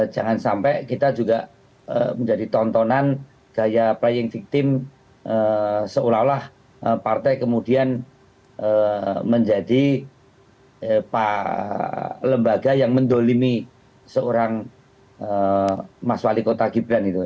jangan sampai kita juga menjadi tontonan gaya playing victim seolah olah partai kemudian menjadi lembaga yang mendolimi seorang mas wali kota gibran itu